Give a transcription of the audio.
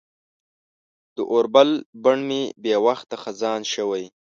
د اوربل بڼ مې بې وخته خزان شوی